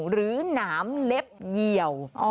หรือนามเล็บเยี่ยว